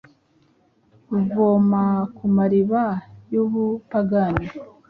Ruvoma ku mariba y’ubupagani;